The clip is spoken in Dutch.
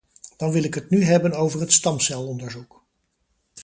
Dan wil ik het nu hebben over het stamcelonderzoek.